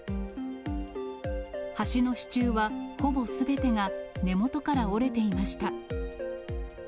橋の支柱は、ほぼすべてが根元から折れていました。